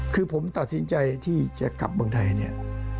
คือผมตัดสินใจที่จะกลับเมืองไทยเนี่ย